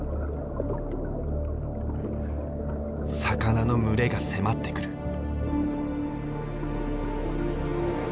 魚の群れが迫ってくる。